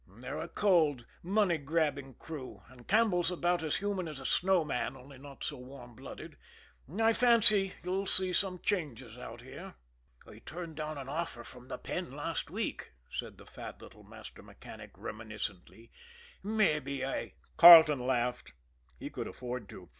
They're a cold, money grabbing crew, and Campbell's about as human as a snow man, only not so warm blooded. I fancy you'll see some changes out here." "I turned down an offer from the Penn last week," said the fat little master mechanic reminiscently, "mabbe I " Carleton laughed he could afford to.